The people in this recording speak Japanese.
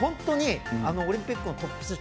オリンピック選手のトップ選手